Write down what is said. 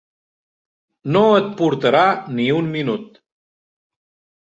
No et portarà ni un minut!